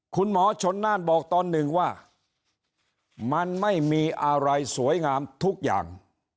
คุณหมอชนน่านบอกตอนหนึ่งว่ามันไม่มีอะไรสวยงามทุกอย่าง